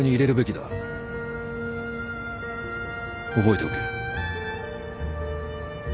覚えておけ。